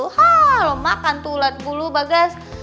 hah lo makan tuh ulet bulu bagas